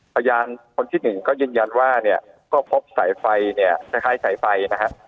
พยานคนที่หนึ่งก็ยืนยันว่าเนี่ยก็พบสายไฟเนี่ยคล้ายสายไฟนะฮะ